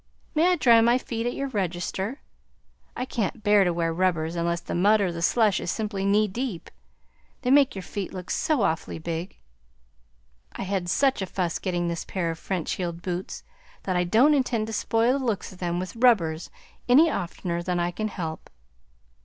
May I dry my feet at your register? I can't bear to wear rubbers unless the mud or the slush is simply knee deep, they make your feet look so awfully big. I had such a fuss getting this pair of French heeled boots that I don't intend to spoil the looks of them with rubbers any oftener than I can help.